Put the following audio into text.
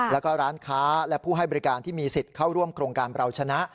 แล้วก็ร้านค้าและผู้ให้บริการที่มีสิทธิ์เข้าร่วมโครงการเราชนะ